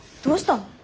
どうしたの？